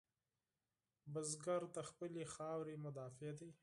بزګر د خپلې خاورې مدافع دی